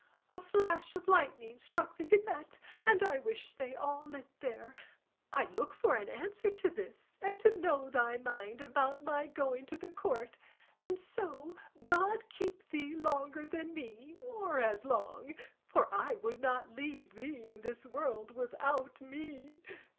A flash of lightning struck the gibbet, and I wish they all lit there. I look for an answer to this, and to know thy mind about my going to the Court; and so, God keep thee longer than me, or as long, for I would not leave thee in this world without me.